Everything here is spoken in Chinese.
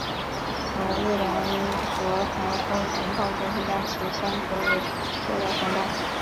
同日联合台风警报中心将其升格为热带风暴。